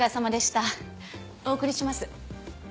お送りします。